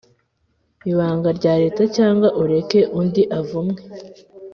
ibanga rya Leta cyangwa ureka undi avunmwe